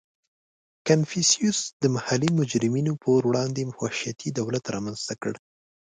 • کنفوسیوس د محلي مجرمینو په وړاندې وحشتي دولت رامنځته کړ.